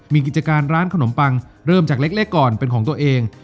มีกิจการร้านขนมปังเริ่มจากเล็กก่อนเป็นของตัวเอง